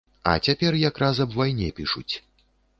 А цяпер якраз аб вайне пішуць.